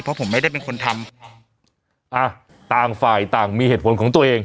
เพราะผมไม่ได้เป็นคนทำอ่ะต่างฝ่ายต่างมีเหตุผลของตัวเอง